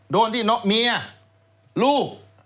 โดนที่เมียลูก